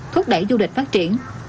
thuốc đẩy du lịch phát triển